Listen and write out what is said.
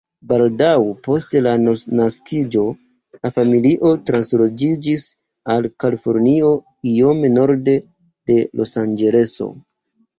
Baldaŭ post la naskiĝo la familio transloĝiĝis al Kalifornio, iom norde de Losanĝeleso.